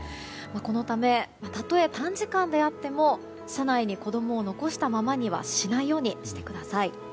このため、たとえ短時間であっても車内に子供を残したままにはしないようにしてください。